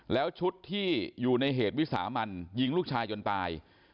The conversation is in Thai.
แล้วชุดที่อยู่ในเหตุวิสามันยิงลูกชายจนตาย